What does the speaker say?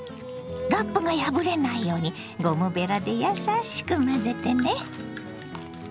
ラップが破れないようにゴムべらでやさしく混ぜてね。